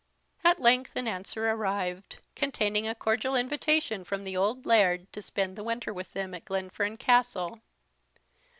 At length an answer arrived, containing a cordial invitation from the old Laird to spend the winter with them at Glenfern Castle.